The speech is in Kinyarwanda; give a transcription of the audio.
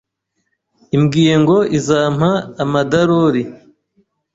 imbwiye ngo izampa amadarori